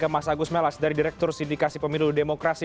mas agus melas dari direktur sindikasi pemilu demokrasi